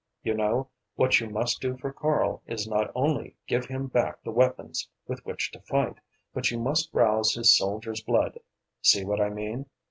You know, what you must do for Karl is not only give him back the weapons with which to fight, but you must rouse his soldier's blood, see what I mean?"